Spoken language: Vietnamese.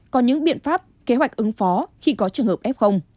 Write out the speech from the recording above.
có những biện pháp kế hoạch ứng phó khi có trường hợp f